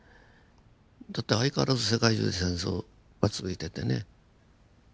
だって相変わらず世界中で戦争が続いててね。